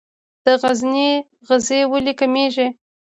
د غزني غزې ولې کمیږي؟